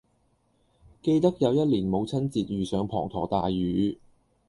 記得有一年母親節遇上滂沱大雨